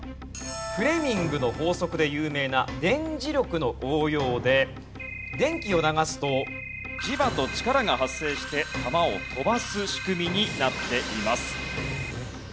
フレミングの法則で有名な電磁力の応用で電気を流すと磁場と力が発生して弾を飛ばす仕組みになっています。